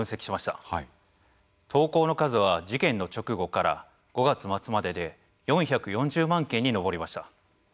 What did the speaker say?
投稿の数は事件の直後から５月末までで４４０万件に上りました。